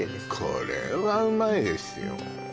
これはうまいですよ